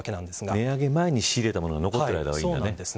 値上げ前に仕入れたものが残っているうちはいいんですね。